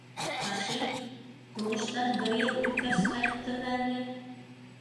Хашим... һуғыштан... бер йыл үткәс ҡайттымы әле...